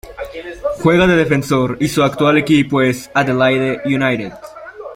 Juega de defensor y su actual equipo es Adelaide United.